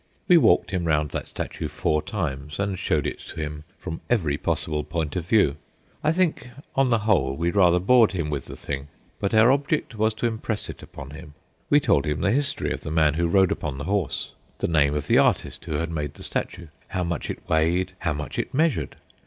We walked him round that statue four times, and showed it to him from every possible point of view. I think, on the whole, we rather bored him with the thing, but our object was to impress it upon him. We told him the history of the man who rode upon the horse, the name of the artist who had made the statue, how much it weighed, how much it measured.